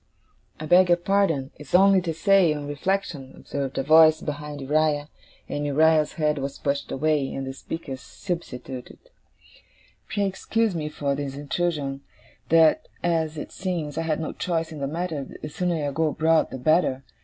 'I beg your pardon. It's only to say, on reflection,' observed a voice behind Uriah, as Uriah's head was pushed away, and the speaker's substituted 'pray excuse me for this intrusion that as it seems I have no choice in the matter, the sooner I go abroad the better.